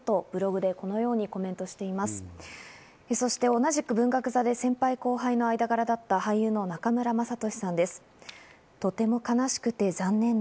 同じく文学座で先輩後輩の間柄だった俳優の中村雅俊さんです。